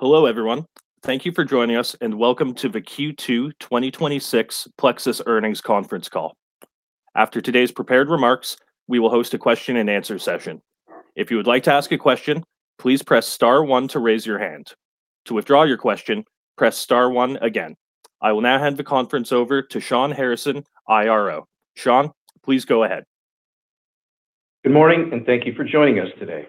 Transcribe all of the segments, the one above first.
Hello, everyone. Thank you for joining us, and welcome to the Q2 2026 Plexus Earnings Conference Call. After today's prepared remarks, we will host a question and answer session. If you would like to ask a question, please press star one to raise your hand. To withdraw your question, press star one again. I will now hand the conference over to Shawn Harrison, IRO. Shawn, please go ahead. Good morning, and thank you for joining us today.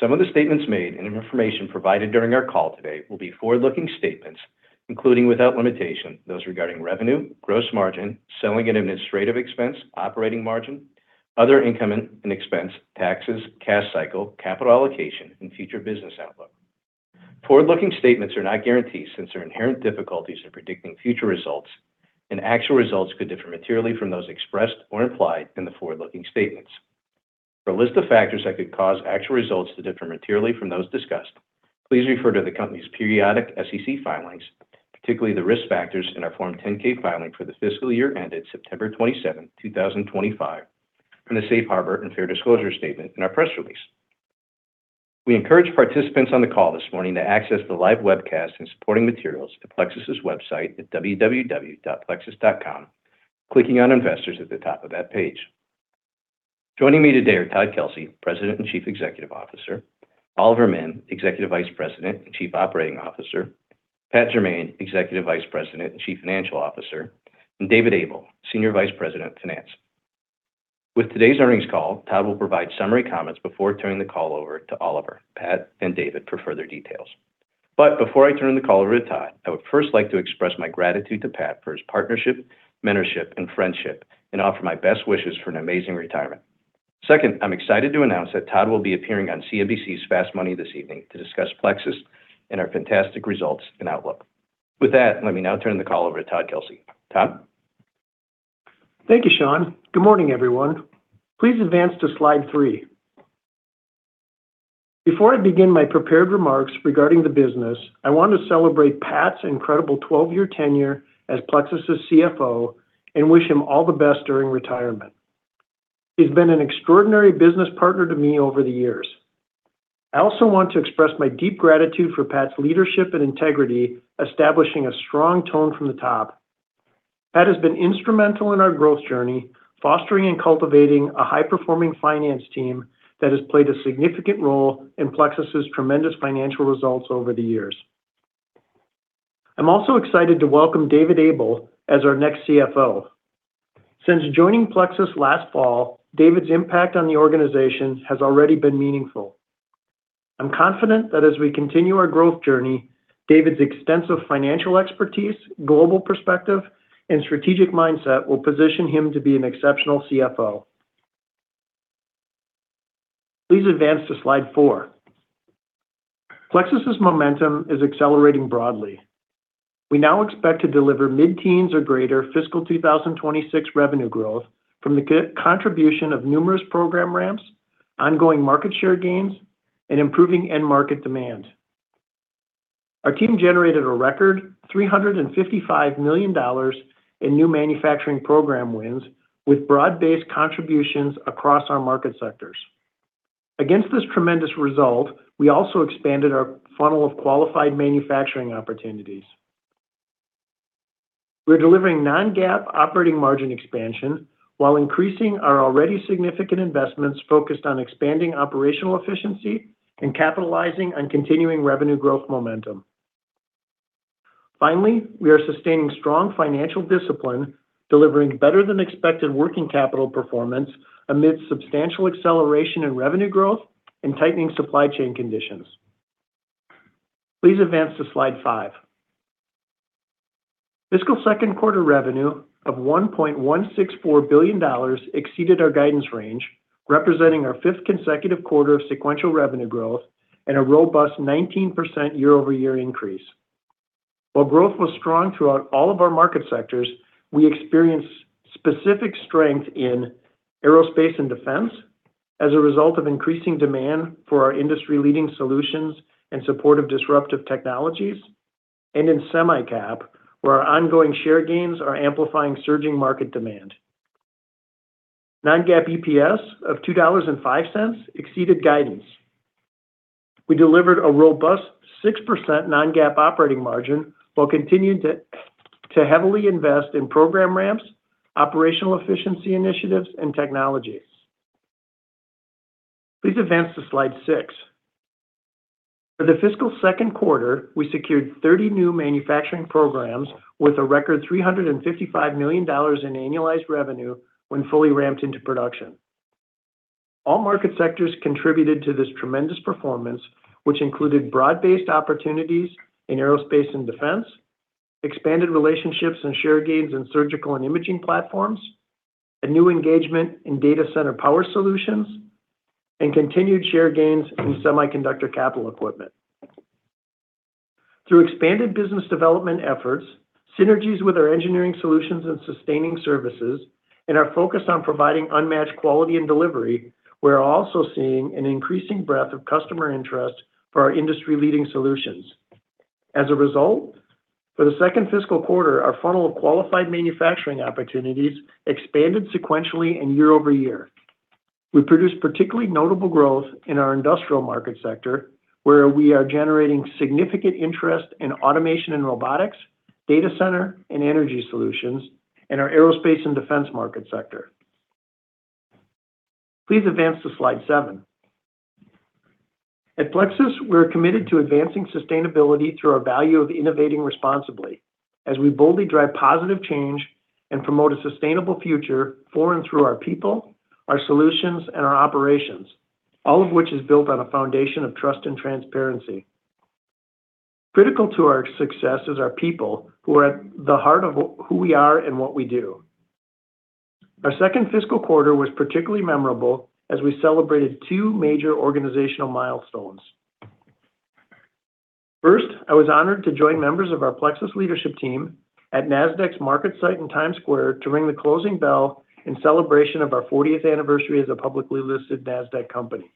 Some of the statements made and information provided during our call today will be forward-looking statements, including without limitation, those regarding revenue, gross margin, selling and administrative expense, operating margin, other income and expense, taxes, cash cycle, capital allocation, and future business outlook. Forward-looking statements are not guarantees since there are inherent difficulties in predicting future results, and actual results could differ materially from those expressed or implied in the forward-looking statements. For a list of factors that could cause actual results to differ materially from those discussed, please refer to the company's periodic SEC filings, particularly the risk factors in our Form 10-K filing for the fiscal year ended September 27th, 2025, and the safe harbor and fair disclosure statement in our press release. We encourage participants on the call this morning to access the live webcast and supporting materials at Plexus's website at www.plexus.com, clicking on Investors at the top of that page. Joining me today are Todd Kelsey, President and Chief Executive Officer, Oliver Mihm, Executive Vice President and Chief Operating Officer, Patrick Jermain, Executive Vice President and Chief Financial Officer, and David Abuhl, Senior Vice President of Finance. With today's earnings call, Todd will provide summary comments before turning the call over to Oliver, Pat, and David for further details. Before I turn the call over to Todd, I would first like to express my gratitude to Pat for his partnership, mentorship, and friendship and offer my best wishes for an amazing retirement. Second, I'm excited to announce that Todd will be appearing on CNBC's Fast Money this evening to discuss Plexus and our fantastic results and outlook. With that, let me now turn the call over to Todd Kelsey. Todd? Thank you, Shawn. Good morning, everyone. Please advance to slide three. Before I begin my prepared remarks regarding the business, I want to celebrate Pat's incredible 12-year tenure as Plexus's CFO and wish him all the best during retirement. He's been an extraordinary business partner to me over the years. I also want to express my deep gratitude for Pat's leadership and integrity, establishing a strong tone from the top. Pat has been instrumental in our growth journey, fostering, and cultivating a high-performing finance team that has played a significant role in Plexus's tremendous financial results over the years. I'm also excited to welcome David Abuhl as our next CFO. Since joining Plexus last fall, David's impact on the organization has already been meaningful. I'm confident that as we continue our growth journey, David's extensive financial expertise, global perspective, and strategic mindset will position him to be an exceptional CFO. Please advance to slide four. Plexus's momentum is accelerating broadly. We now expect to deliver mid-teens or greater fiscal 2026 revenue growth from the contribution of numerous program ramps, ongoing market share gains, and improving end market demand. Our team generated a record $355 million in new manufacturing program wins with broad-based contributions across our market sectors. Against this tremendous result, we also expanded our funnel of qualified manufacturing opportunities. We're delivering non-GAAP operating margin expansion while increasing our already significant investments focused on expanding operational efficiency and capitalizing on continuing revenue growth momentum. We are sustaining strong financial discipline, delivering better than expected working capital performance amid substantial acceleration in revenue growth and tightening supply chain conditions. Please advance to slide five. Fiscal second quarter revenue of $1.164 billion exceeded our guidance range, representing our fifth consecutive quarter of sequential revenue growth and a robust 19% year-over-year increase. While growth was strong throughout all of our market sectors, we experienced specific strength in aerospace and defense as a result of increasing demand for our industry-leading solutions and supportive disruptive technologies, and in semi-cap, where our ongoing share gains are amplifying surging market demand. Non-GAAP EPS of $2.05 exceeded guidance. We delivered a robust 6% non-GAAP operating margin while continuing to heavily invest in program ramps, operational efficiency initiatives, and technologies. Please advance to slide six. For the fiscal second quarter, we secured 30 new manufacturing programs with a record $355 million in annualized revenue when fully ramped into production. All market sectors contributed to this tremendous performance, which included broad-based opportunities in aerospace and defense, expanded relationships and share gains in surgical and imaging platforms, a new engagement in data center power solutions, and continued share gains in semiconductor capital equipment. Through expanded business development efforts, synergies with our engineering solutions and sustaining services, and our focus on providing unmatched quality and delivery, we're also seeing an increasing breadth of customer interest for our industry-leading solutions. As a result, for the second fiscal quarter, our funnel of qualified manufacturing opportunities expanded sequentially and year-over-year. We produced particularly notable growth in our industrial market sector, where we are generating significant interest in automation and robotics, data center and energy solutions, and our aerospace and defense market sector. Please advance to slide seven. At Plexus, we're committed to advancing sustainability through our value of innovating responsibly as we boldly drive positive change and promote a sustainable future for and through our people, our solutions, and our operations, all of which is built on a foundation of trust and transparency. Critical to our success is our people, who are at the heart of who we are and what we do. Our second fiscal quarter was particularly memorable as we celebrated two major organizational milestones. I was honored to join members of our Plexus leadership team at Nasdaq's market site in Times Square to ring the closing bell in celebration of our 40th anniversary as a publicly listed Nasdaq company.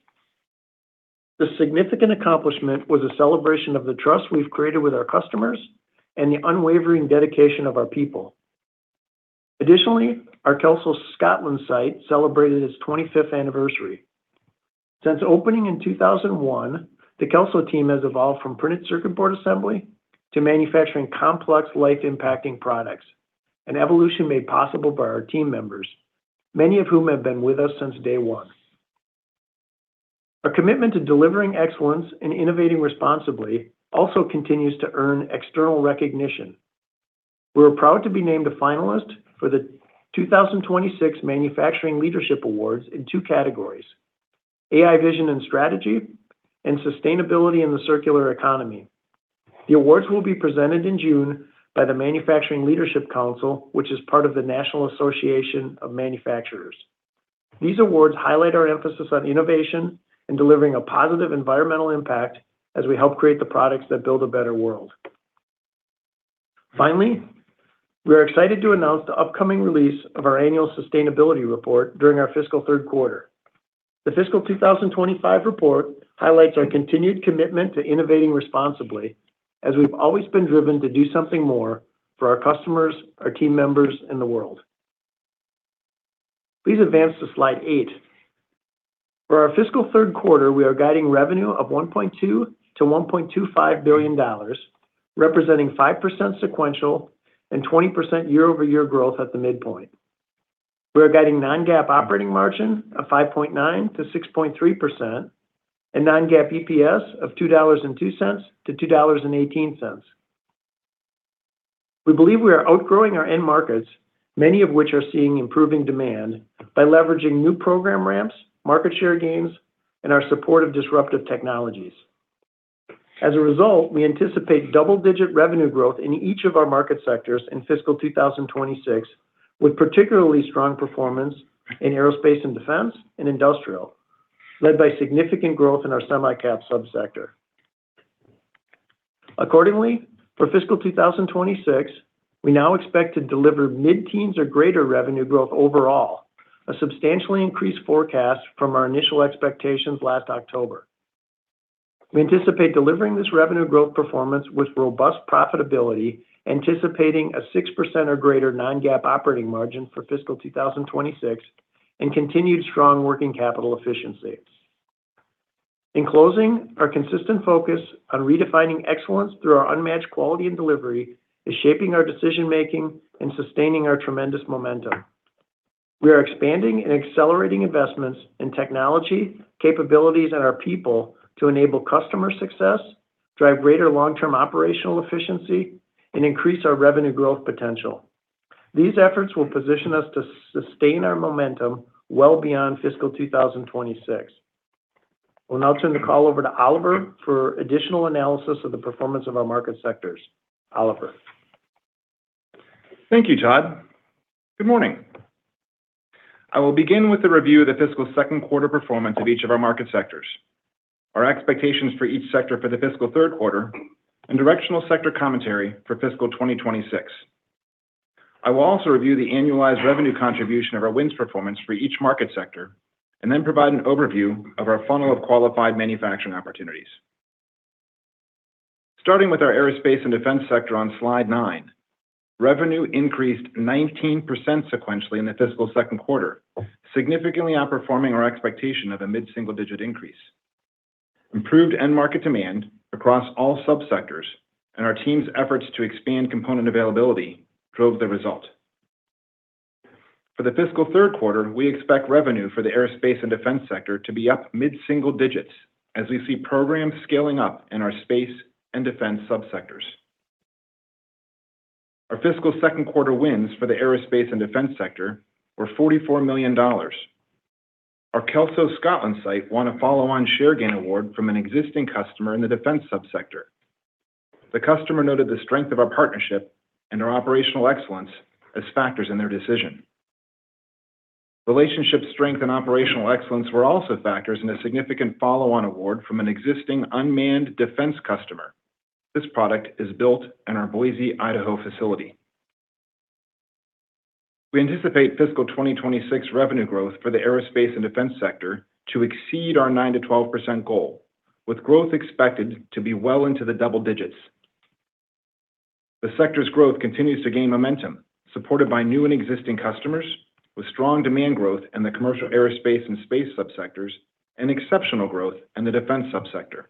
This significant accomplishment was a celebration of the trust we've created with our customers and the unwavering dedication of our people. Our Kelso, Scotland site celebrated its 25th anniversary. Since opening in 2001, the Kelso team has evolved from printed circuit board assembly to manufacturing complex life-impacting products, an evolution made possible by our team members, many of whom have been with us since day one. Our commitment to delivering excellence and innovating responsibly also continues to earn external recognition. We're proud to be named a finalist for the 2026 Manufacturing Leadership Awards in two categories: AI Vision and Strategy and Sustainability in the Circular Economy. The awards will be presented in June by the Manufacturing Leadership Council, which is part of the National Association of Manufacturers. These awards highlight our emphasis on innovation and delivering a positive environmental impact as we help create the products that build a better world. Finally, we are excited to announce the upcoming release of our annual sustainability report during our fiscal third quarter. The fiscal 2025 report highlights our continued commitment to innovating responsibly, as we've always been driven to do something more for our customers, our team members, and the world. Please advance to slide eight. For our fiscal third quarter, we are guiding revenue of $1.2 billion-$1.25 billion, representing 5% sequential and 20% year-over-year growth at the midpoint. We are guiding non-GAAP operating margin of 5.9%-6.3% and non-GAAP EPS of $2.02-$2.18. We believe we are outgrowing our end markets, many of which are seeing improving demand by leveraging new program ramps, market share gains, and our support of disruptive technologies. As a result, we anticipate double-digit revenue growth in each of our market sectors in fiscal 2026, with particularly strong performance in aerospace and defense and industrial, led by significant growth in our semi-cap subsector. Accordingly, for fiscal 2026, we now expect to deliver mid-teens or greater revenue growth overall, a substantially increased forecast from our initial expectations last October. We anticipate delivering this revenue growth performance with robust profitability, anticipating a 6% or greater non-GAAP operating margin for fiscal 2026 and continued strong working capital efficiencies. In closing, our consistent focus on redefining excellence through our unmatched quality and delivery is shaping our decision-making and sustaining our tremendous momentum. We are expanding and accelerating investments in technology, capabilities, and our people to enable customer success, drive greater long-term operational efficiency, and increase our revenue growth potential. These efforts will position us to sustain our momentum well beyond fiscal 2026. We will now turn the call over to Oliver for additional analysis of the performance of our market sectors. Oliver. Thank you, Todd. Good morning. I will begin with a review of the fiscal second quarter performance of each of our market sectors, our expectations for each sector for the fiscal third quarter, and directional sector commentary for fiscal 2026. I will also review the annualized revenue contribution of our wins performance for each market sector, and then provide an overview of our funnel of qualified manufacturing opportunities. Starting with our aerospace and defense sector on slide nine, revenue increased 19% sequentially in the fiscal second quarter, significantly outperforming our expectation of a mid-single-digit increase. Improved end market demand across all subsectors and our team's efforts to expand component availability drove the result. For the fiscal third quarter, we expect revenue for the aerospace and defense sector to be up mid-single digits as we see programs scaling up in our space and defense subsectors. Our fiscal second quarter wins for the aerospace and defense sector were $44 million. Our Kelso, Scotland site won a follow-on share gain award from an existing customer in the defense subsector. The customer noted the strength of our partnership and our operational excellence as factors in their decision. Relationship strength and operational excellence were also factors in a significant follow-on award from an existing unmanned defense customer. This product is built in our Boise, Idaho facility. We anticipate fiscal 2026 revenue growth for the aerospace and defense sector to exceed our 9%-12% goal, with growth expected to be well into the double digits. The sector's growth continues to gain momentum, supported by new and existing customers with strong demand growth in the commercial aerospace and space sub-sectors, and exceptional growth in the defense sub-sector.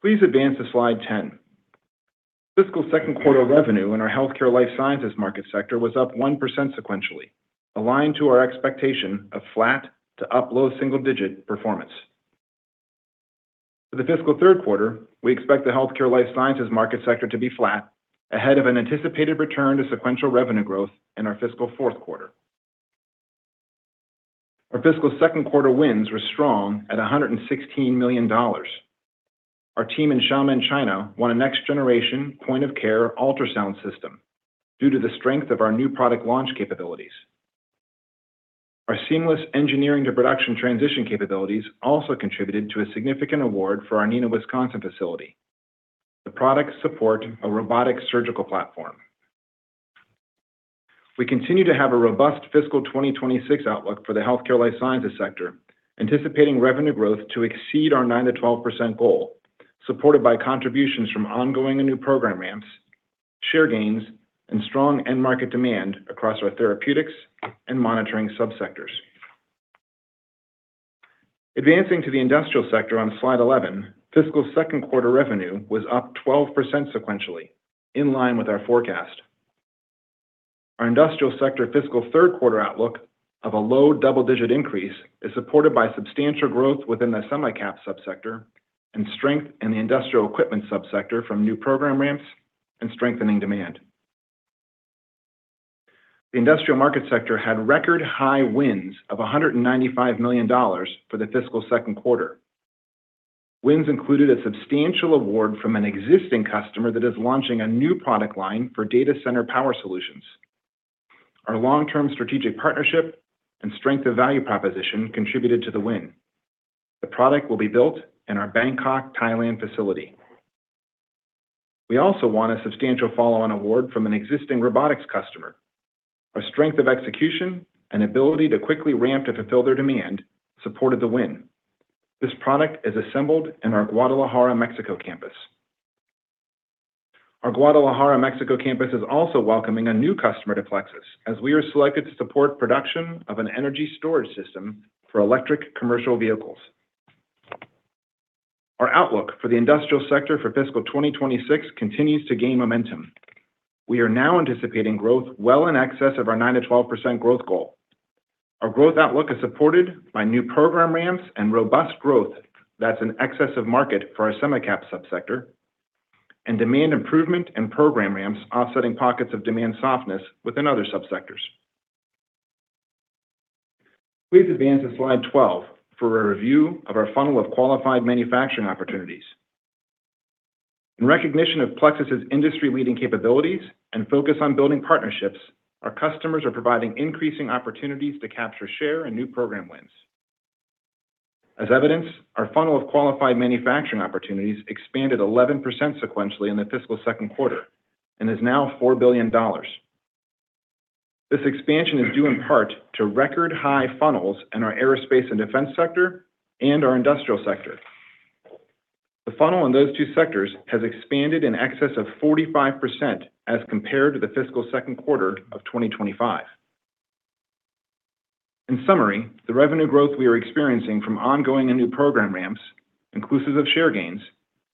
Please advance to slide 10. Fiscal second quarter revenue in our healthcare life sciences market sector was up 1% sequentially, aligned to our expectation of flat to low single-digit performance. For the fiscal third quarter, we expect the healthcare life sciences market sector to be flat ahead of an anticipated return to sequential revenue growth in our fiscal fourth quarter. Our fiscal second quarter wins were strong at $116 million. Our team in Xiamen, China won a next-generation point-of-care ultrasound system due to the strength of our new product launch capabilities. Our seamless engineering-to-production transition capabilities also contributed to a significant award for our Neenah, Wisconsin facility. The products support a robotic surgical platform. We continue to have a robust fiscal 2026 outlook for the Healthcare Life Sciences sector, anticipating revenue growth to exceed our 9%-12% goal, supported by contributions from ongoing and new program ramps, share gains, and strong end market demand across our therapeutics and monitoring sub-sectors. Advancing to the Industrial sector on slide 11, fiscal second quarter revenue was up 12% sequentially, in line with our forecast. Our Industrial sector fiscal third quarter outlook of a low double-digit increase is supported by substantial growth within the semi-cap sub-sector and strength in the Industrial Equipment sub-sector from new program ramps and strengthening demand. The Industrial market sector had record high wins of $195 million for the fiscal second quarter. Wins included a substantial award from an existing customer that is launching a new product line for data center power solutions. Our long-term strategic partnership and strength of value proposition contributed to the win. The product will be built in our Bangkok, Thailand facility. We also won a substantial follow-on award from an existing robotics customer. Our strength of execution and ability to quickly ramp to fulfill their demand supported the win. This product is assembled in our Guadalajara, Mexico campus. Our Guadalajara, Mexico campus is also welcoming a new customer to Plexus as we are selected to support production of an energy storage system for electric commercial vehicles. Our outlook for the industrial sector for fiscal 2026 continues to gain momentum. We are now anticipating growth well in excess of our 9%-12% growth goal. Our growth outlook is supported by new program ramps and robust growth that's in excess of market for our semi-cap sub-sector and demand improvement and program ramps offsetting pockets of demand softness within other sub-sectors. Please advance to slide 12 for a review of our funnel of qualified manufacturing opportunities. In recognition of Plexus's industry-leading capabilities and focus on building partnerships, our customers are providing increasing opportunities to capture share and new program wins. As evidenced, our funnel of qualified manufacturing opportunities expanded 11% sequentially in the fiscal second quarter and is now $4 billion. This expansion is due in part to record high funnels in our aerospace and defense sector and our industrial sector. The funnel in those two sectors has expanded in excess of 45% as compared to the fiscal second quarter of 2025. In summary, the revenue growth we are experiencing from ongoing and new program ramps, inclusive of share gains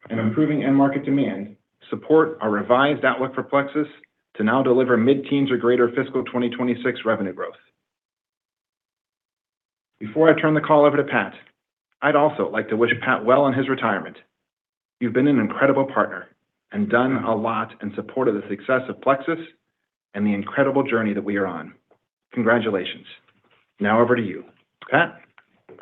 and improving end market demand, support our revised outlook for Plexus to now deliver mid-teens or greater fiscal 2026 revenue growth. Before I turn the call over to Pat, I'd also like to wish Pat well on his retirement. You've been an incredible partner and done a lot in support of the success of Plexus and the incredible journey that we are on. Congratulations. Now over to you, Pat.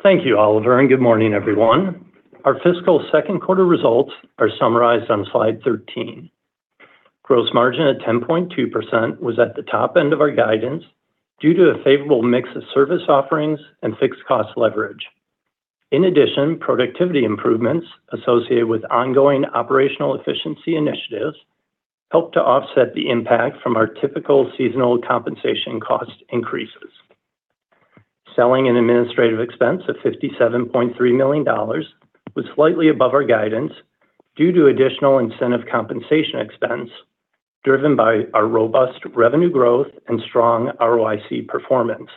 Thank you, Oliver, and good morning, everyone. Our fiscal second quarter results are summarized on slide 13. Gross margin at 10.2% was at the top end of our guidance due to a favorable mix of service offerings and fixed cost leverage. In addition, productivity improvements associated with ongoing operational efficiency initiatives helped to offset the impact from our typical seasonal compensation cost increases. Selling and administrative expense of $57.3 million was slightly above our guidance due to additional incentive compensation expense driven by our robust revenue growth and strong ROIC performance.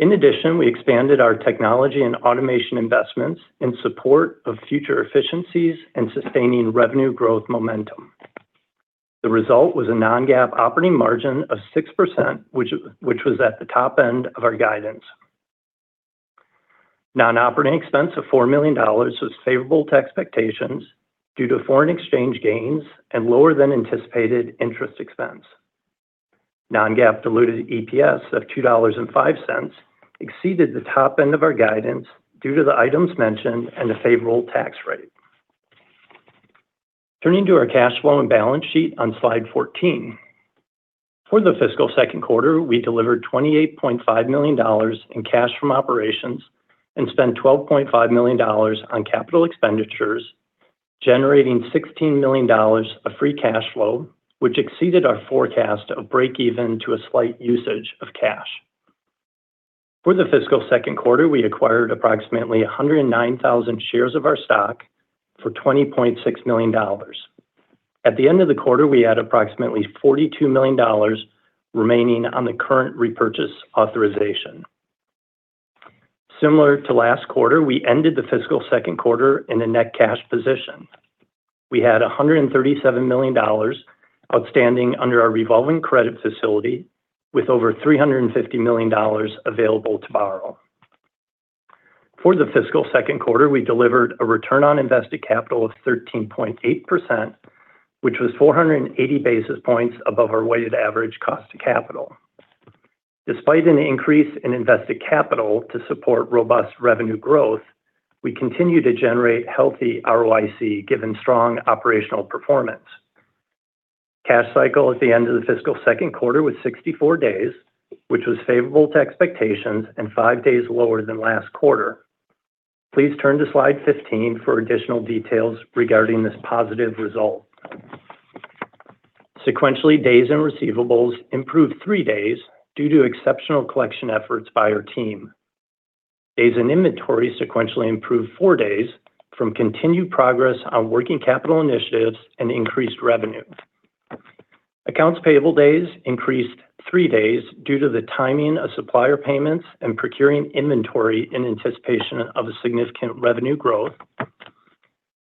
In addition, we expanded our technology and automation investments in support of future efficiencies and sustaining revenue growth momentum. The result was a non-GAAP operating margin of 6%, which was at the top end of our guidance. Non-operating expense of $4 million was favorable to expectations due to foreign exchange gains and lower than anticipated interest expense. Non-GAAP diluted EPS of $2.05 exceeded the top end of our guidance due to the items mentioned and a favorable tax rate. Turning to our cash flow and balance sheet on slide 14. For the fiscal second quarter, we delivered $28.5 million in cash from operations and spent $12.5 million on capital expenditures, generating $16 million of free cash flow, which exceeded our forecast of break even to a slight usage of cash. For the fiscal second quarter, we acquired approximately 109,000 shares of our stock for $20.6 million. At the end of the quarter, we had approximately $42 million remaining on the current repurchase authorization. Similar to last quarter, we ended the fiscal second quarter in a net cash position. We had $137 million outstanding under our revolving credit facility with over $350 million available to borrow. For the fiscal second quarter, we delivered a return on invested capital of 13.8%, which was 480 basis points above our weighted average cost of capital. Despite an increase in invested capital to support robust revenue growth, we continue to generate healthy ROIC given strong operational performance. Cash cycle at the end of the fiscal second quarter was 64 days, which was favorable to expectations and five days lower than last quarter. Please turn to slide 15 for additional details regarding this positive result. Sequentially, days and receivables improved three days due to exceptional collection efforts by our team. Days and inventory sequentially improved four days from continued progress on working capital initiatives and increased revenue. Accounts payable days increased three days due to the timing of supplier payments and procuring inventory in anticipation of a significant revenue growth.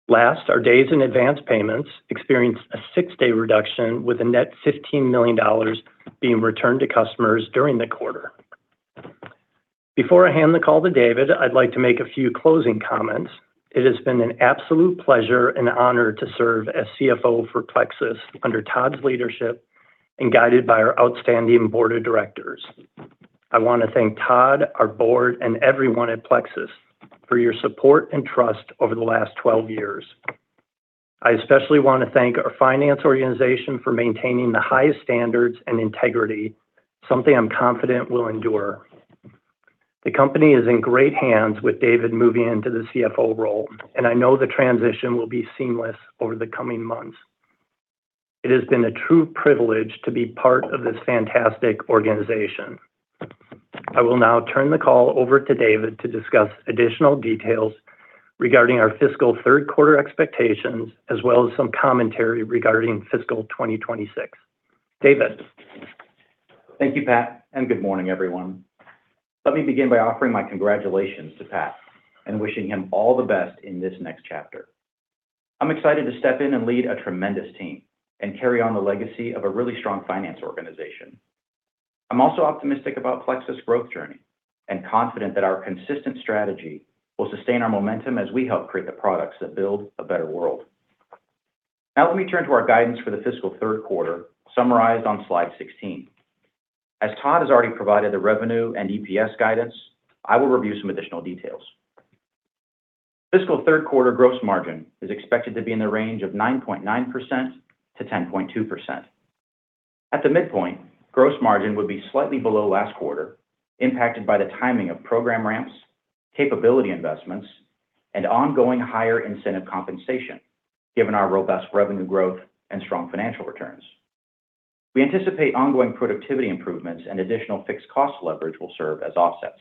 Last, our days in advance payments experienced a six-day reduction with a net $15 million being returned to customers during the quarter. Before I hand the call to David, I'd like to make a few closing comments. It has been an absolute pleasure and honor to serve as CFO for Plexus under Todd's leadership and guided by our outstanding board of directors. I want to thank Todd, our board, and everyone at Plexus for your support and trust over the last 12 years. I especially want to thank our finance organization for maintaining the highest standards and integrity, something I'm confident will endure. The company is in great hands with David moving into the CFO role, and I know the transition will be seamless over the coming months. It has been a true privilege to be part of this fantastic organization. I will now turn the call over to David to discuss additional details regarding our fiscal third quarter expectations, as well as some commentary regarding fiscal 2026. David. Thank you, Pat, and good morning, everyone. Let me begin by offering my congratulations to Pat and wishing him all the best in this next chapter. I'm excited to step in and lead a tremendous team and carry on the legacy of a really strong finance organization. I'm also optimistic about Plexus' growth journey and confident that our consistent strategy will sustain our momentum as we help create the products that build a better world. Now, let me turn to our guidance for the fiscal third quarter, summarized on slide 16. As Todd has already provided the revenue and EPS guidance, I will review some additional details. Fiscal third quarter gross margin is expected to be in the range of 9.9%-10.2%. At the midpoint, gross margin would be slightly below last quarter, impacted by the timing of program ramps, capability investments, and ongoing higher incentive compensation, given our robust revenue growth and strong financial returns. We anticipate ongoing productivity improvements and additional fixed cost leverage will serve as offsets.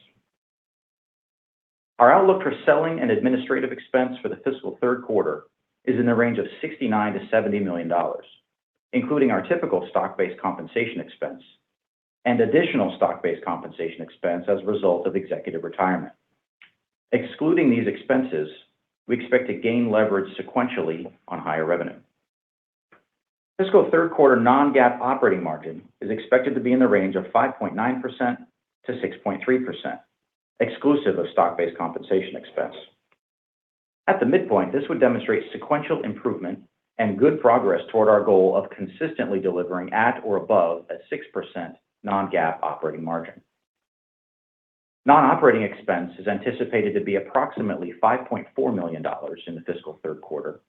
Our outlook for selling and administrative expense for the fiscal third quarter is in the range of $69 million-$70 million, including our typical stock-based compensation expense and additional stock-based compensation expense as a result of executive retirement. Excluding these expenses, we expect to gain leverage sequentially on higher revenue. Fiscal third quarter non-GAAP operating margin is expected to be in the range of 5.9%-6.3%, exclusive of stock-based compensation expense. At the midpoint, this would demonstrate sequential improvement and good progress toward our goal of consistently delivering at or above 6% non-GAAP operating margin. Non-operating expense is anticipated to be approximately $5.4 million in the fiscal third quarter,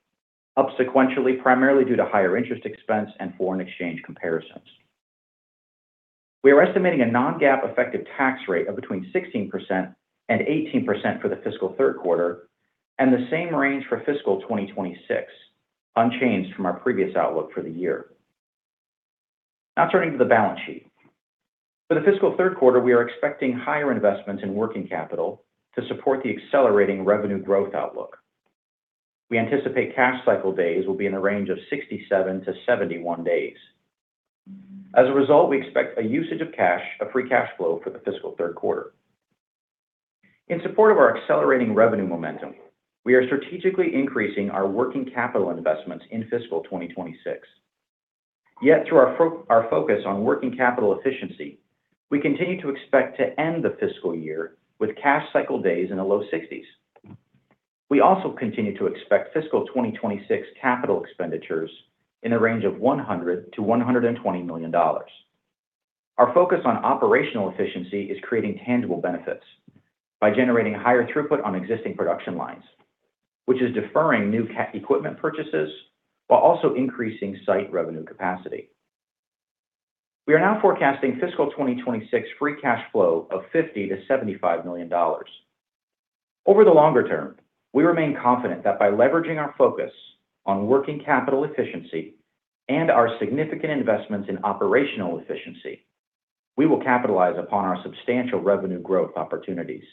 up sequentially primarily due to higher interest expense and foreign exchange comparisons. We are estimating a non-GAAP effective tax rate of between 16% and 18% for the fiscal third quarter and the same range for fiscal 2026, unchanged from our previous outlook for the year. Now turning to the balance sheet. For the fiscal third quarter, we are expecting higher investments in working capital to support the accelerating revenue growth outlook. We anticipate cash cycle days will be in a range of 67-71 days. As a result, we expect a usage of cash, a free cash flow for the fiscal third quarter. In support of our accelerating revenue momentum, we are strategically increasing our working capital investments in fiscal 2026. Through our focus on working capital efficiency, we continue to expect to end the fiscal year with cash cycle days in the low 60s. We also continue to expect fiscal 2026 capital expenditures in the range of $100 million-$120 million. Our focus on operational efficiency is creating tangible benefits by generating higher throughput on existing production lines, which is deferring new equipment purchases while also increasing site revenue capacity. We are now forecasting fiscal 2026 free cash flow of $50 million-$75 million. Over the longer term, we remain confident that by leveraging our focus on working capital efficiency and our significant investments in operational efficiency, we will capitalize upon our substantial revenue growth opportunities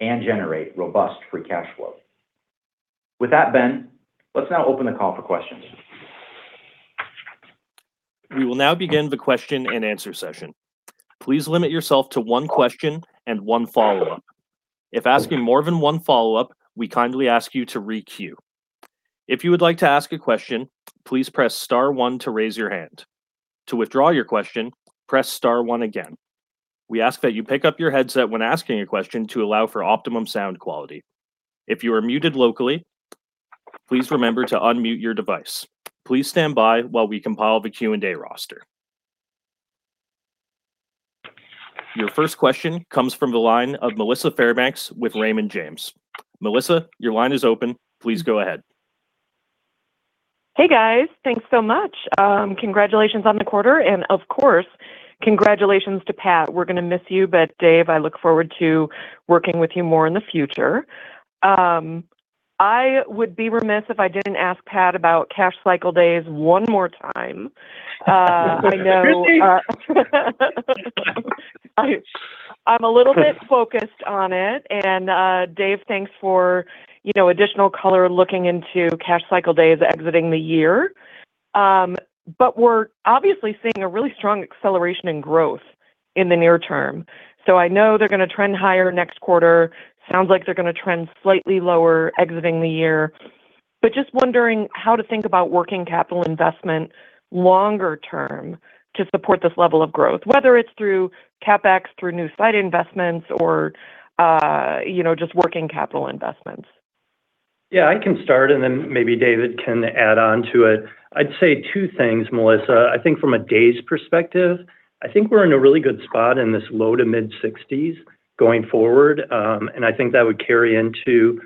and generate robust free cash flow. With that, Ben, let's now open the call for questions. We will now begin the question-and-answer session. Please limit yourself to one question and one follow-up. If asking more than one follow-up, we kindly ask you to re-queue. If you would like to ask a question, please press star one to raise your hand. To withdraw your question, press star one again. We ask that you pick up your headset when asking a question to allow for optimum sound quality. If you are muted locally, please remember to unmute your device. Please stand by while we compile the Q&A roster. Your first question comes from the line of Melissa Fairbanks with Raymond James. Melissa, your line is open. Please go ahead. Hey, guys. Thanks so much. Congratulations on the quarter, and of course, congratulations to Pat. We're gonna miss you, but Dave, I look forward to working with you more in the future. I would be remiss if I didn't ask Pat about cash cycle days one more time. I know I'm a little bit focused on it and, Dave, thanks for, you know, additional color looking into cash cycle days exiting the year. But we're obviously seeing a really strong acceleration in growth in the near term. I know they're gonna trend higher next quarter. Sounds like they're gonna trend slightly lower exiting the year. Just wondering how to think about working capital investment longer term to support this level of growth, whether it's through CapEx, through new site investments or, you know, just working capital investments. Yeah, I can start, and then maybe David can add on to it. I'd say two things, Melissa. I think from a days perspective, I think we're in a really good spot in this low to mid-60s going forward. And I think that would carry into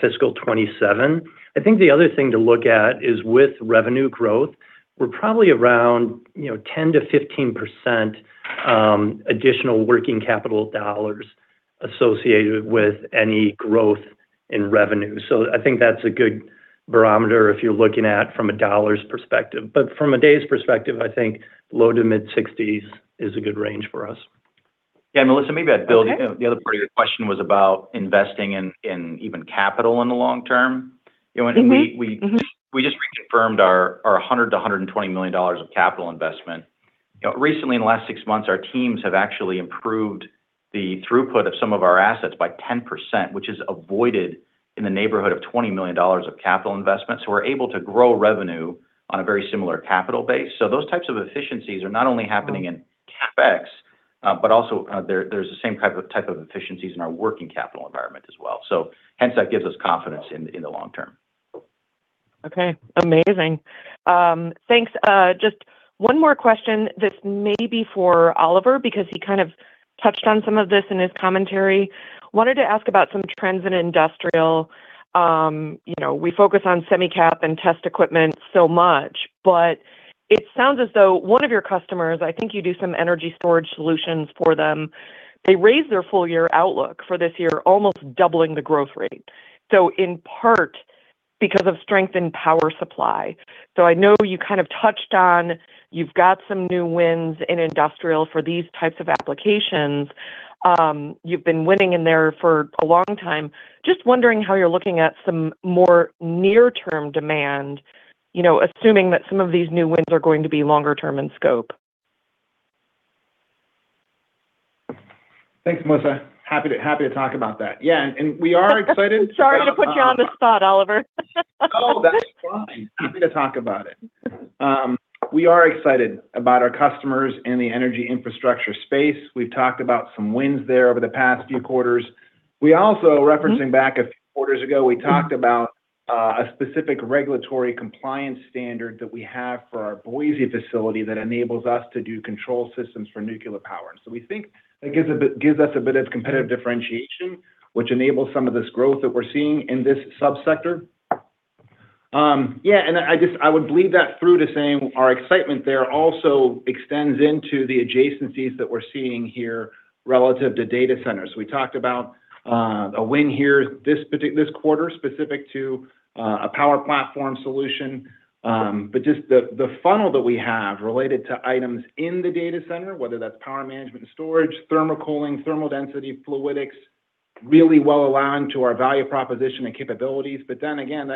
fiscal 2027. I think the other thing to look at is with revenue growth, we're probably around, you know, 10%-15% additional working capital dollars associated with any growth in revenue. So I think that's a good barometer if you're looking at from a dollars perspective. But from a days perspective, I think low to mid-sixties is a good range for us. Yeah, Melissa, maybe I'd build. Okay You know, the other part of your question was about investing in even capital in the long term. You know, we- Mm-hmm We just reconfirmed our $100 million-$120 million of capital investment. You know, recently in the last six months, our teams have actually improved the throughput of some of our assets by 10%, which has avoided in the neighborhood of $20 million of capital investment. We're able to grow revenue on a very similar capital base. Those types of efficiencies are not only happening in CapEx, but also, there's the same type of efficiencies in our working capital environment as well. Hence, that gives us confidence in the long term. Okay. Amazing. Thanks. Just one more question. This may be for Oliver, because he kind of touched on some of this in his commentary. I wanted to ask about some trends in industrial. You know, we focus on semi-cap and test equipment so much, but it sounds as though one of your customers, I think you do some energy storage solutions for them, they raised their full year outlook for this year, almost doubling the growth rate. In part because of strength in power supply. I know you kind of touched on you've got some new wins in industrial for these types of applications. You've been winning in there for a long time. Just wondering how you're looking at some more near-term demand, you know, assuming that some of these new wins are going to be longer term in scope. Thanks, Melissa. Happy to talk about that. Yeah, we are excited about- Sorry to put you on the spot, Oliver. No, that's fine. Happy to talk about it. We are excited about our customers in the energy infrastructure space. We've talked about some wins there over the past few quarters. We also. Mm-hmm Referencing back a few quarters ago, we talked about a specific regulatory compliance standard that we have for our Boise facility that enables us to do control systems for nuclear power. We think that gives a bit, gives us a bit of competitive differentiation, which enables some of this growth that we're seeing in this sub-sector. I would bleed that through to saying our excitement there also extends into the adjacencies that we're seeing here relative to data centers. We talked about a win here this quarter specific to a power platform solution. Just the funnel that we have related to items in the data center, whether that's power management and storage, thermal cooling, thermal density, fluidics, really well aligned to our value proposition and capabilities. That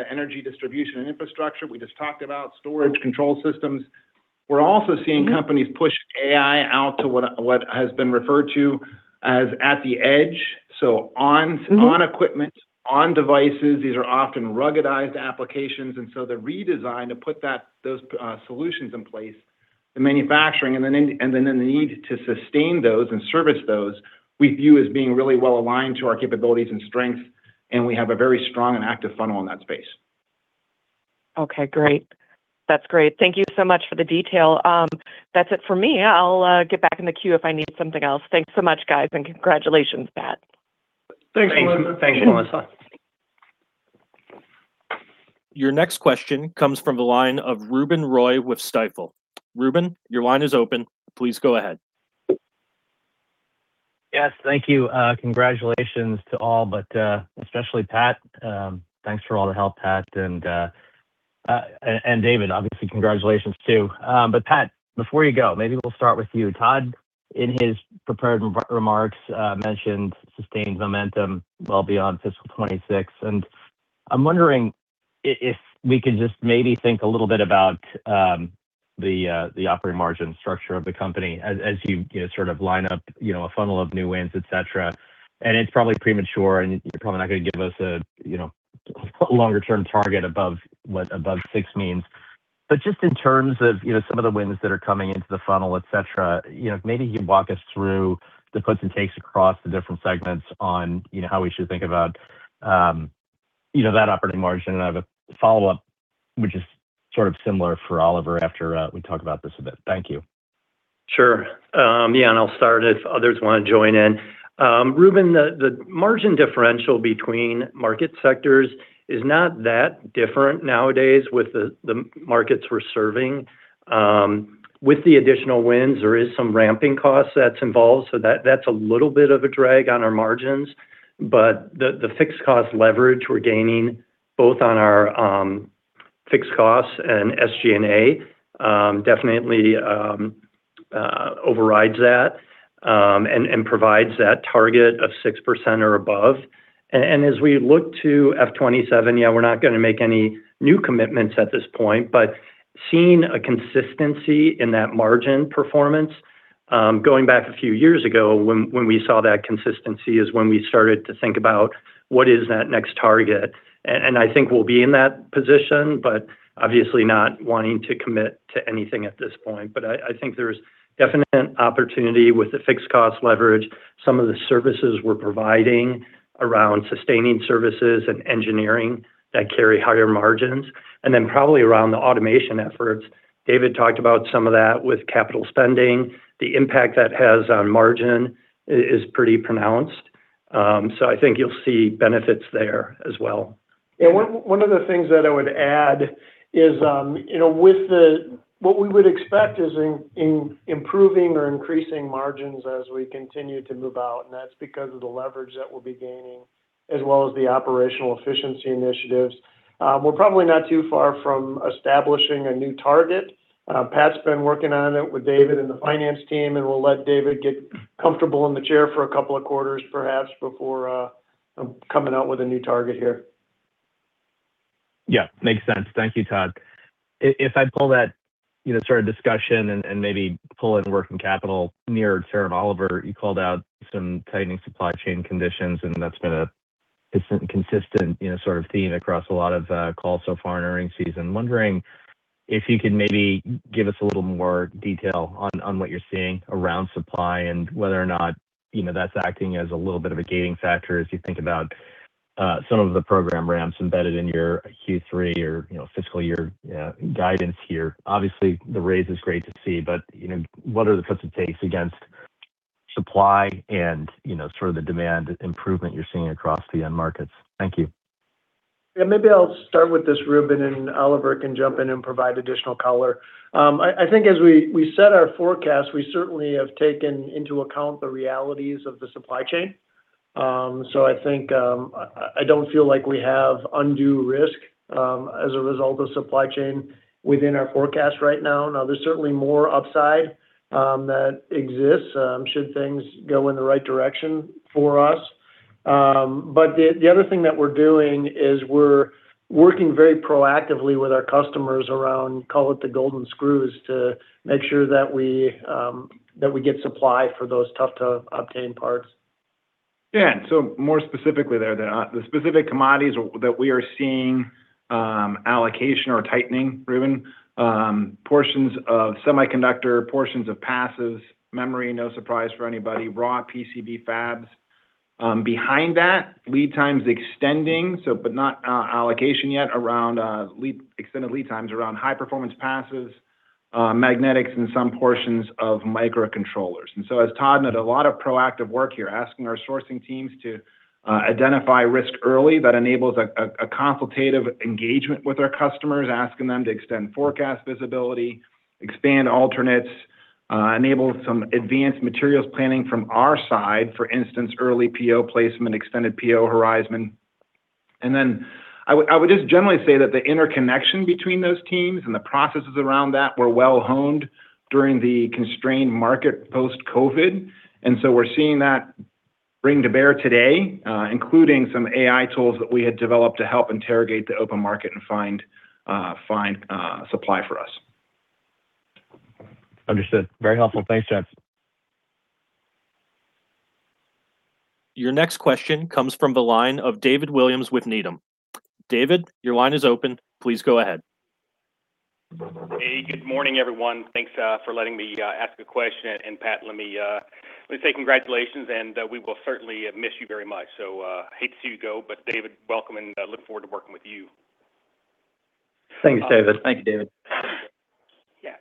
energy distribution and infrastructure, we just talked about storage control systems. We're also seeing companies push AI out to what has been referred to as at the edge. On- Mm-hmm... on equipment, on devices. These are often ruggedized applications, and so they're redesigned to put that, those, solutions in place. The manufacturing and then the need to sustain those and service those we view as being really well aligned to our capabilities and strengths, and we have a very strong and active funnel in that space. Okay, great. That's great. Thank you so much for the detail. That's it for me. I'll get back in the queue if I need something else. Thanks so much, guys, and congratulations, Pat. Thanks, Melissa. Your next question comes from the line of Ruben Roy with Stifel. Ruben, your line is open. Please go ahead. Yes, thank you. Congratulations to all, but especially Pat. Thanks for all the help, Pat. David, obviously, congratulations too. Pat, before you go, maybe we'll start with you. Todd, in his prepared remarks, mentioned sustained momentum well beyond fiscal 2026, and I'm wondering if we could just maybe think a little bit about the operating margin structure of the company as you know sort of line up you know a funnel of new wins, et cetera. It's probably premature, and you're probably not gonna give us a you know a longer-term target above what 6% means. just in terms of, you know, some of the wins that are coming into the funnel, et cetera, you know, maybe you can walk us through the puts and takes across the different segments on, you know, how we should think about, you know, that operating margin. I have a follow-up, which is sort of similar for Oliver after, we talk about this a bit. Thank you. Sure. I'll start if others wanna join in. Ruben, the margin differential between market sectors is not that different nowadays with the markets we're serving. With the additional wins, there is some ramping cost that's involved, so that's a little bit of a drag on our margins. The fixed cost leverage we're gaining both on our fixed costs and SG&A definitely overrides that and provides that target of 6% or above. As we look to FY 2027, we're not gonna make any new commitments at this point, but seeing a consistency in that margin performance going back a few years ago when we saw that consistency is when we started to think about what is that next target. I think we'll be in that position, but obviously not wanting to commit to anything at this point. I think there's definite opportunity with the fixed cost leverage, some of the services we're providing around sustaining services and engineering that carry higher margins, and then probably around the automation efforts. David talked about some of that with capital spending. The impact that has on margin is pretty pronounced. I think you'll see benefits there as well. One of the things that I would add is, you know, with what we would expect is improving or increasing margins as we continue to move out, and that's because of the leverage that we'll be gaining as well as the operational efficiency initiatives. We're probably not too far from establishing a new target. Pat's been working on it with David and the finance team, and we'll let David get comfortable in the chair for a couple of quarters perhaps before coming out with a new target here. Yeah, makes sense. Thank you, Todd. If I pull that, you know, sort of discussion and maybe pull in working capital near Sarah and Oliver, you called out some tightening supply chain conditions, and that's been a consistent, you know, sort of theme across a lot of calls so far in earnings season. Wondering if you could maybe give us a little more detail on what you're seeing around supply and whether or not, you know, that's acting as a little bit of a gating factor as you think about some of the program ramps embedded in your Q3 or, you know, fiscal year guidance here. Obviously, the raise is great to see, but, you know, what are the puts and takes against supply and, you know, sort of the demand improvement you're seeing across the end markets? Thank you. Yeah, maybe I'll start with this, Ruben, and Oliver can jump in and provide additional color. I think as we set our forecast, we certainly have taken into account the realities of the supply chain. I think I don't feel like we have undue risk as a result of supply chain within our forecast right now. Now, there's certainly more upside that exists should things go in the right direction for us. The other thing that we're doing is we're working very proactively with our customers around, call it the golden screw, to make sure that we get supply for those tough-to-obtain parts. Yeah. More specifically there, the specific commodities that we are seeing allocation or tightening, Ruben, portions of semiconductor, portions of passives, memory, no surprise for anybody, raw PCB fabs. Behind that, lead times extending, but not allocation yet around extended lead times around high-performance passives, magnetics in some portions of microcontrollers. As Todd noted, a lot of proactive work here, asking our sourcing teams to identify risk early. That enables a consultative engagement with our customers, asking them to extend forecast visibility, expand alternates, enable some advanced materials planning from our side, for instance, early PO placement, extended PO horizon. I would just generally say that the interconnection between those teams and the processes around that were well-honed during the constrained market post-COVID. We're seeing that bring to bear today, including some AI tools that we had developed to help interrogate the open market and find supply for us. Understood. Very helpful. Thanks, gents. Your next question comes from the line of David Williams with Needham. David, your line is open. Please go ahead. Hey, good morning, everyone. Thanks for letting me ask a question. Pat, let me say congratulations, and we will certainly miss you very much. Hate to see you go, but David, welcome, and I look forward to working with you. Thanks, David. Thank you, David. Yeah.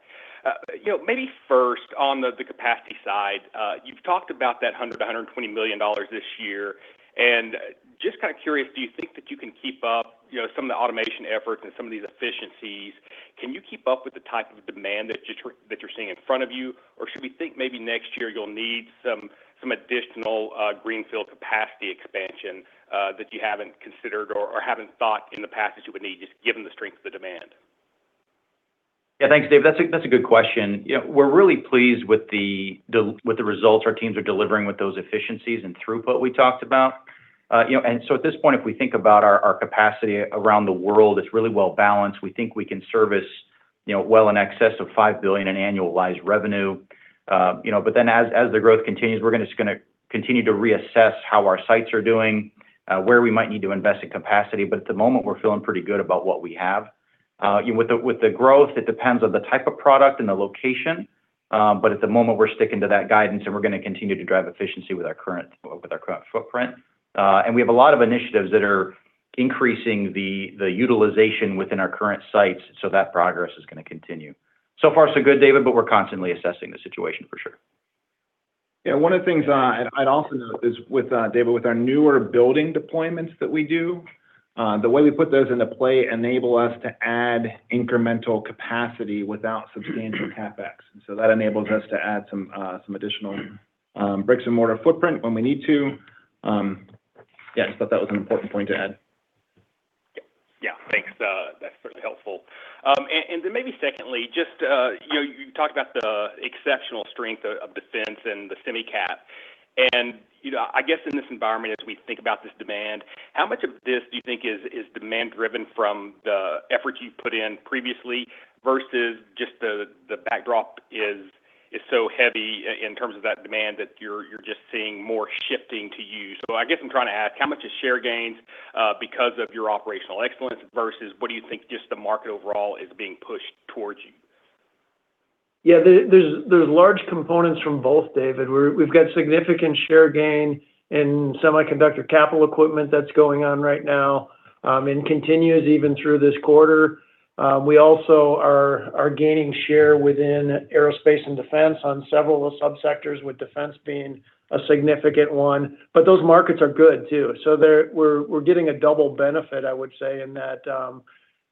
You know, maybe first on the capacity side, you've talked about that $100 million-$120 million this year, and just kind of curious, do you think that you can keep up, you know, some of the automation efforts and some of these efficiencies? Can you keep up with the type of demand that you're seeing in front of you? Or should we think maybe next year you'll need some additional greenfield capacity expansion that you haven't considered or haven't thought in the past that you would need, just given the strength of the demand? Yeah. Thanks, David. That's a good question. You know, we're really pleased with the results our teams are delivering with those efficiencies and throughput we talked about. You know, at this point, if we think about our capacity around the world, it's really well-balanced. We think we can service, you know, well in excess of $5 billion in annualized revenue. You know, as the growth continues, we're gonna continue to reassess how our sites are doing, where we might need to invest in capacity. At the moment, we're feeling pretty good about what we have. With the growth, it depends on the type of product and the location. At the moment, we're sticking to that guidance, and we're gonna continue to drive efficiency with our current footprint. We have a lot of initiatives that are increasing the utilization within our current sites, so that progress is gonna continue. So far, so good, David, but we're constantly assessing the situation for sure. Yeah. One of the things I'd also note is with David, with our newer building deployments that we do, the way we put those into play enable us to add incremental capacity without substantial CapEx. That enables us to add some additional bricks and mortar footprint when we need to. Yeah, just thought that was an important point to add. Yeah. Thanks. That's really helpful. Then maybe secondly, just, you know, you talked about the exceptional strength of defense and the semi-cap. You know, I guess in this environment as we think about this demand, how much of this do you think is demand driven from the efforts you've put in previously versus just the backdrop is so heavy in terms of that demand that you're just seeing more shifting to you? I guess I'm trying to ask, how much is share gains because of your operational excellence versus what do you think just the market overall is being pushed towards you? Yeah. There are large components from both, David. We've got significant share gain in semiconductor capital equipment that's going on right now and continues even through this quarter. We also are gaining share within aerospace and defense on several of the sub-sectors, with defense being a significant one. But those markets are good too. We're getting a double benefit, I would say, in that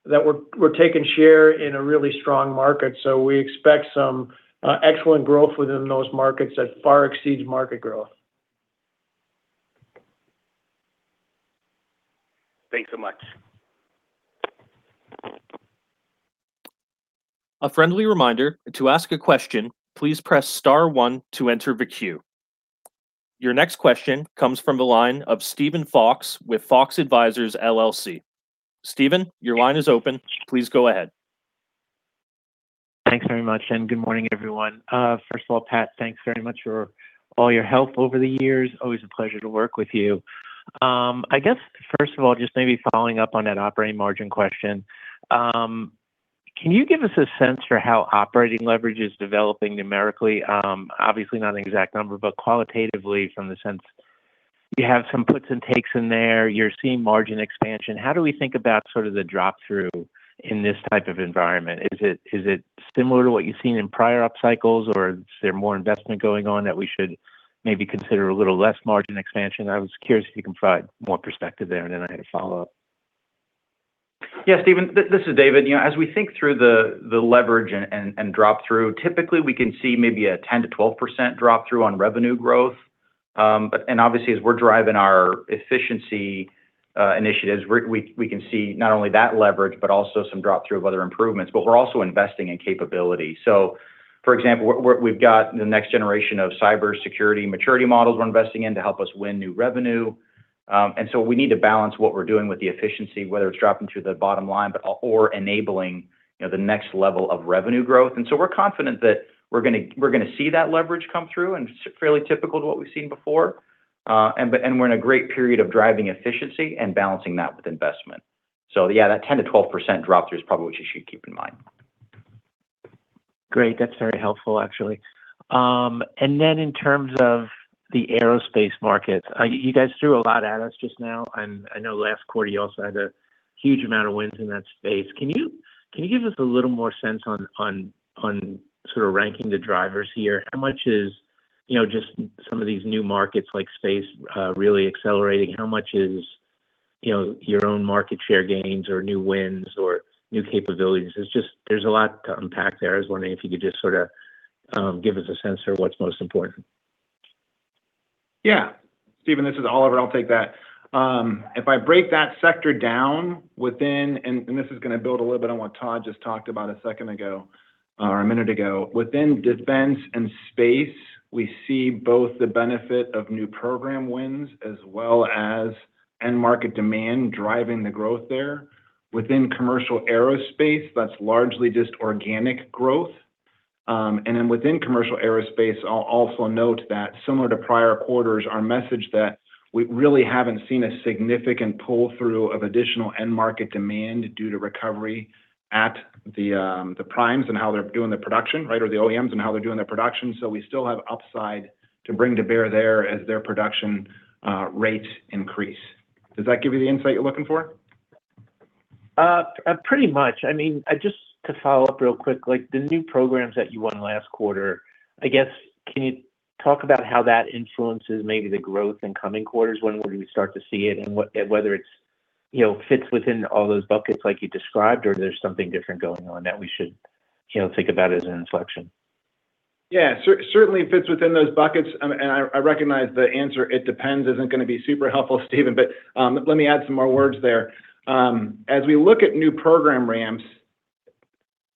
we're taking share in a really strong market. We expect some excellent growth within those markets that far exceeds market growth. Thanks so much. Your next question comes from the line of Steven Fox with Fox Advisors LLC. Steven, your line is open. Please go ahead. Thanks very much. Good morning, everyone. First of all, Pat, thanks very much for all your help over the years. Always a pleasure to work with you. I guess first of all, just maybe following up on that operating margin question, can you give us a sense for how operating leverage is developing numerically? Obviously not an exact number, but qualitatively from the sense you have some puts and takes in there. You're seeing margin expansion. How do we think about sort of the drop-through in this type of environment? Is it similar to what you've seen in prior up cycles, or is there more investment going on that we should maybe consider a little less margin expansion? I was curious if you can provide more perspective there, and then I had a follow-up. Yeah, Steven, this is David. You know, as we think through the leverage and drop-through, typically we can see maybe a 10%-12% drop-through on revenue growth. Obviously as we're driving our efficiency initiatives, we can see not only that leverage, but also some drop-through of other improvements, but we're also investing in capability. For example, we've got the next generation of cybersecurity maturity models we're investing in to help us win new revenue. We need to balance what we're doing with the efficiency, whether it's dropping to the bottom line or enabling, you know, the next level of revenue growth. We're confident that we're gonna see that leverage come through, and fairly typical to what we've seen before. We're in a great period of driving efficiency and balancing that with investment. Yeah, that 10%-12% drop-through is probably what you should keep in mind. Great. That's very helpful, actually. In terms of the aerospace markets, you guys threw a lot at us just now. I know last quarter you also had a huge amount of wins in that space. Can you give us a little more sense on sort of ranking the drivers here? How much is, you know, just some of these new markets like space, really accelerating? How much is, you know, your own market share gains or new wins or new capabilities? There's just, there's a lot to unpack there. I was wondering if you could just sort of give us a sense for what's most important. Steven, this is Oliver. I'll take that. If I break that sector down within, and this is gonna build a little bit on what Todd just talked about a second ago, or a minute ago. Within defense and space, we see both the benefit of new program wins as well as end market demand driving the growth there. Within commercial aerospace, that's largely just organic growth. Within commercial aerospace, I'll also note that similar to prior quarters, our message that we really haven't seen a significant pull-through of additional end market demand due to recovery at the primes and how they're doing the production, right? The OEMs and how they're doing their production. We still have upside to bring to bear there as their production rate increase. Does that give you the insight you're looking for? pretty much. I mean, just to follow up real quick, like the new programs that you won last quarter, I guess, can you talk about how that influences maybe the growth in coming quarters? When will we start to see it, and what whether it's, you know, fits within all those buckets like you described, or there's something different going on that we should, you know, think about as an inflection? Yeah. Certainly it fits within those buckets. I recognize the answer "it depends" isn't going to be super helpful, Steven, but let me add some more words there. As we look at new program ramps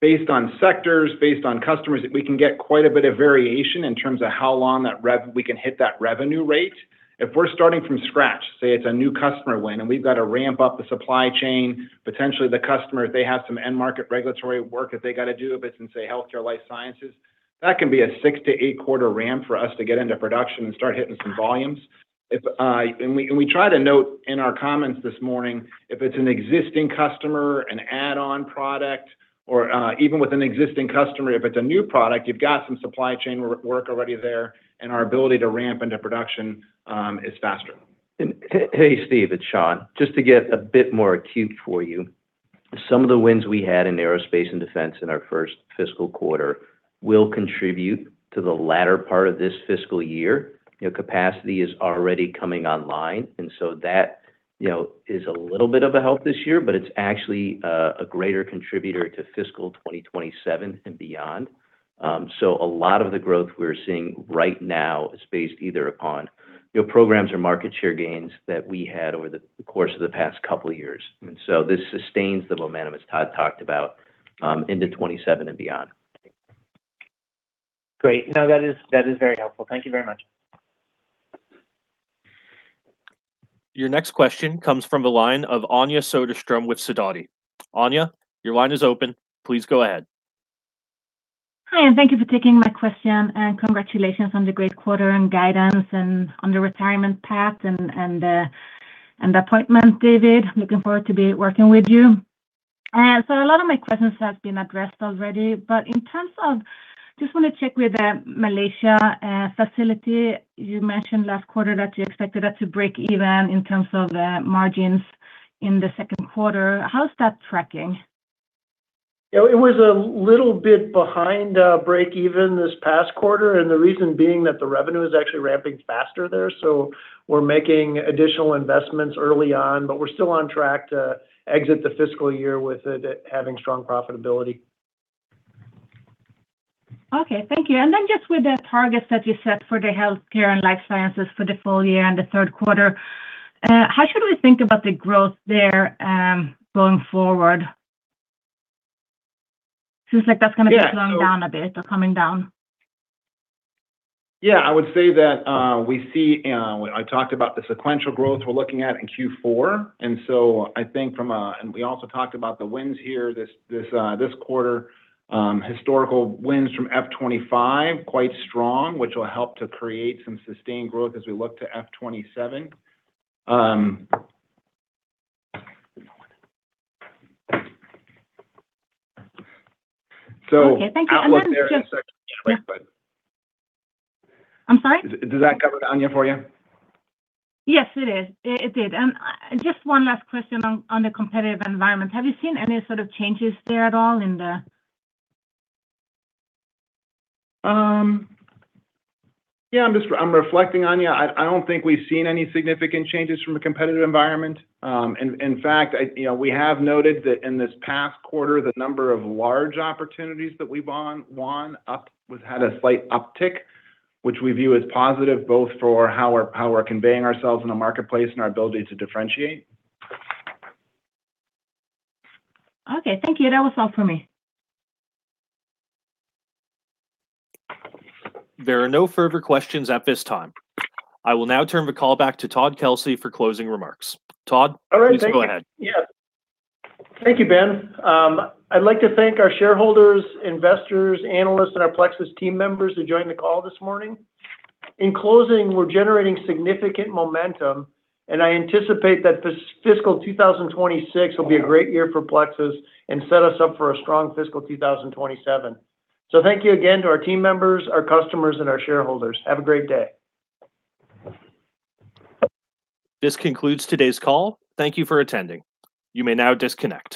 based on sectors, based on customers, we can get quite a bit of variation in terms of how long we can hit that revenue rate. If we're starting from scratch, say it's a new customer win, we've got to ramp up the supply chain, potentially the customer, they have some end market regulatory work that they got to do, if it's in, say, healthcare life sciences, that can be a six to eight quarter ramp for us to get into production and start hitting some volumes. If. We try to note in our comments this morning, if it's an existing customer, an add-on product, or, even with an existing customer, if it's a new product, you've got some supply chain work already there, and our ability to ramp into production is faster. Hey, Steve, it's Shawn. Just to get a bit more acute for you, some of the wins we had in aerospace and defense in our first fiscal quarter will contribute to the latter part of this fiscal year. You know, capacity is already coming online, and so that, you know, is a little bit of a help this year, but it's actually a greater contributor to fiscal 2027 and beyond. A lot of the growth we're seeing right now is based either upon, you know, programs or market share gains that we had over the course of the past couple of years. This sustains the momentum, as Todd talked about, into 2027 and beyond. Great. No, that is very helpful. Thank you very much. Your next question comes from the line of Anja Soderstrom with Sidoti. Anja, your line is open. Please go ahead. Hi, and thank you for taking my question, and congratulations on the great quarter and guidance and on the retirement, Pat, and the appointment, David. Looking forward to be working with you. A lot of my questions have been addressed already. Just wanna check with the Malaysia facility. You mentioned last quarter that you expected that to break even in terms of margins in the second quarter. How's that tracking? You know, it was a little bit behind break even this past quarter, and the reason being that the revenue is actually ramping faster there. We're making additional investments early on, but we're still on track to exit the fiscal year with it having strong profitability. Okay. Thank you. Just with the targets that you set for the healthcare and life sciences for the full year and the third quarter, how should we think about the growth there, going forward? Seems like that's gonna be slowing down a bit or coming down. Yeah, I would say that, we see, I talked about the sequential growth we're looking at in Q4. We also talked about the wins here this quarter, historical wins from FY 2025, quite strong, which will help to create some sustained growth as we look to FY 2027. Outlook there. Okay. Thank you. In a second. Yeah. But... I'm sorry? Does that cover it, Anja, for you? Yes, it is. It did. Just one last question on the competitive environment. Have you seen any sort of changes there at all in the. Yeah, I'm reflecting, Anja. I don't think we've seen any significant changes from a competitive environment. In fact, you know, we have noted that in this past quarter, the number of large opportunities that we won had a slight uptick, which we view as positive both for how we're conveying ourselves in the marketplace and our ability to differentiate. Okay. Thank you. That was all for me. There are no further questions at this time. I will now turn the call back to Todd Kelsey for closing remarks. Todd. All right. Thank you. Please go ahead. Thank you, Ben. I'd like to thank our shareholders, investors, analysts and our Plexus team members who joined the call this morning. In closing, we're generating significant momentum. I anticipate that this fiscal 2026 will be a great year for Plexus and set us up for a strong fiscal 2027. Thank you again to our team members, our customers, and our shareholders. Have a great day. This concludes today's call. Thank you for attending. You may now disconnect.